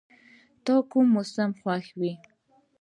ته کوم موسم خوښوې؟